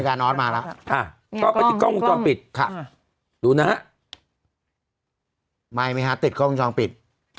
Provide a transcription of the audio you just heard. ฮะนี่กล้องคุณฟอร์มปิดค่ะดูนะฮะไม่เหมี้หาติดกล้องทองปิด